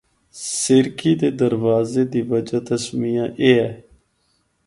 سرکی دے دروازے دی وجہ تسمیہ اے ہے۔